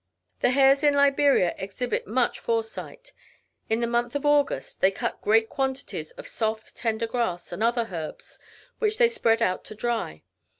The hares in Liberia exhibit much foresight. In the month of August they cut great quantities of soft, tender grass, and other herbs, which they spread out to dry.